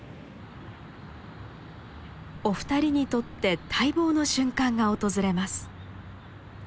お二人にとって待望の瞬間が訪れます。